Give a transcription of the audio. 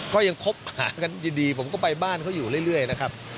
ก็ยังคบหากันดีผมก็ไปบ้านเขาอยู่เรื่อยนะครับ